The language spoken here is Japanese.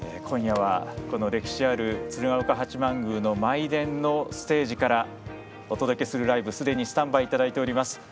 今夜は、この歴史ある鶴岡八幡宮の舞殿のステージからお届けするライブすでにスタンバイいただいております。